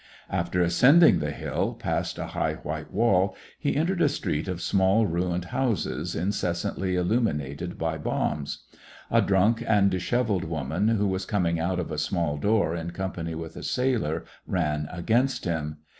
After ascending the hill, past a high white wall, he entered a street of small ruined houses, inces santly illuminated by bombs. A drunken and dishevelled woman, who was coming out of a small door in company with a sailor, ran against him.